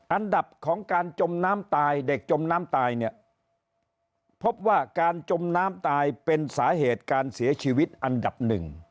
อันดับของการจมน้ำตายเด็กจมน้ำตายเนี่ยพบว่าการจมน้ำตายเป็นสาเหตุการเสียชีวิตอันดับหนึ่ง